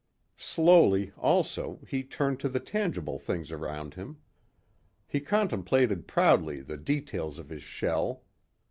Slowly also he turned to the tangible things around him. He contemplated proudly the details of his shell.